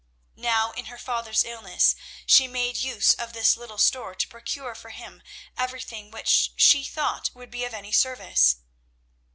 Now, in her father's illness, she made use of this little store to procure for him everything which she thought would be of any service.